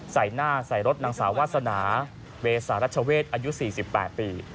ใส่หน้าใส่รถนางสาววาสนาเวสารัชเวศอายุ๔๘ปี